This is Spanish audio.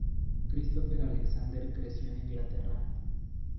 Christopher Alexander creció en Inglaterra.